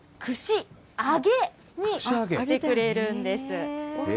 串揚げにしてくれるんです。